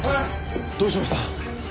どうしました！？